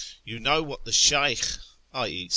You know what the Sheykh (i.e.